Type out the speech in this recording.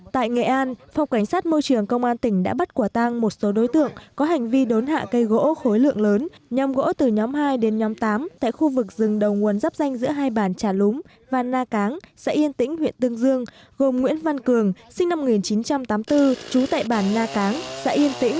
tại nghệ an phòng cảnh sát môi trường công an tỉnh đã bắt quả tang một số đối tượng có hành vi đốn hạ cây gỗ khối lượng lớn nhóm gỗ từ nhóm hai đến nhóm tám tại khu vực rừng đầu nguồn giáp danh giữa hai bản trà lúng và na cáng xã yên tĩnh huyện tương dương gồm nguyễn văn cường sinh năm một nghìn chín trăm tám mươi bốn trú tại bản na cáng xã yên tĩnh